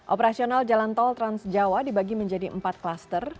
operasional jalan tol transjawa dibagi menjadi empat klaster